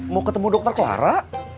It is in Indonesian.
mau ketemu dokter clara